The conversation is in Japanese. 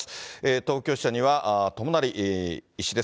東京支社には友成医師です。